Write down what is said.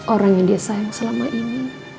orang yang dia sayang selama ini